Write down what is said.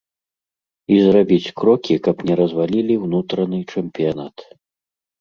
І зрабіць крокі, каб не развалілі ўнутраны чэмпіянат.